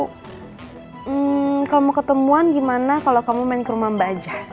hmm kalau mau ketemuan gimana kalau kamu main ke rumah mbak aja